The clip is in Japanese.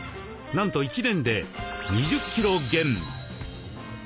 なんと１年で２０キロ減。